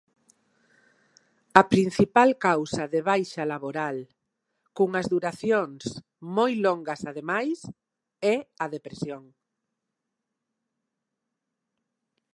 A principal causa de baixa laboral, cunhas duracións moi longas ademais, é a depresión.